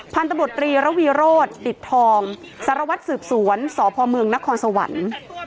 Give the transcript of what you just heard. พันธุ์ตำรวจตรีระวีโรธติดทองสารวัตรสืบสวนสอบภอมืองนครสวรรค์